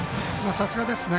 さすがですね。